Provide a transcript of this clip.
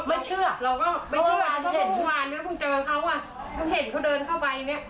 ไม่เชื่อเราก็ไม่เชื่อเพราะว่าวานเจอเขาอ่ะเค้าเห็นเขาเดินเข้าไปเนี่ย